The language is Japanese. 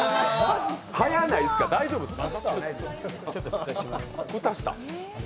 早ないですか、大丈夫ですか？